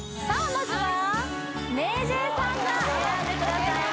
まずはＭａｙＪ．さんが選んでくださいました